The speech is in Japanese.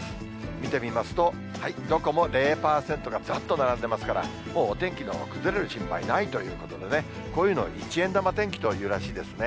見てみますと、どこも０％がずらっと並んでますから、もうお天気の崩れる心配ないということでね、こういうのを一円玉天気というらしいですね。